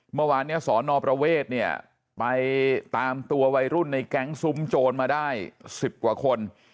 เมื่อวานนี้สอนอประเวทเนี่ยไปตามตัววัยรุ่นในแก๊งซุ้มโจรมาได้๑๐กว่าคน